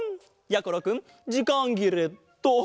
やころくんじかんぎれット。